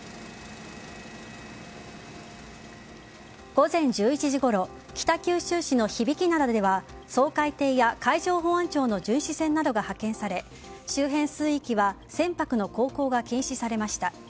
午前１１時ごろ北九州市の響灘では掃海艇や海上保安庁の巡視船などが派遣され周辺水域は船舶の航行が禁止されました。